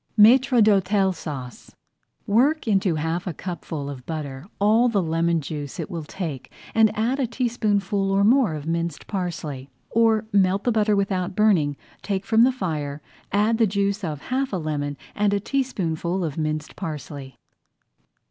MAÎTRE D'HÔTEL SAUCE Work into half a cupful of butter all the lemon juice it will take and add a teaspoonful or more of minced parsley. Or, melt the butter without burning, take from the fire, add the juice of half a lemon and a teaspoonful of minced parsley.